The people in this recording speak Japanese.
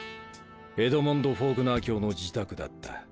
エドモンド・フォークナー卿の自宅だった。